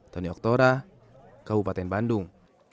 tony oktora kabupaten bandung